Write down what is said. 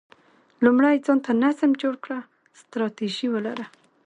لومړی ځان ته نظم جوړ کړه، ستراتیژي ولره،